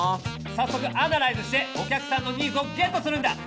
早速アナライズしてお客さんのニーズをゲットするんだ！